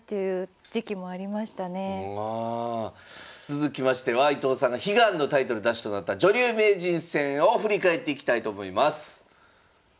続きましては伊藤さんが悲願のタイトル奪取となった女流名人戦を振り返っていきたいと思います。